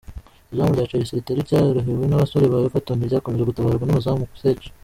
Izamu rya Chelsea ritari ryorohewe n’abasore ba Everton ryakomeje gutabarwa n’umuzamu Cech.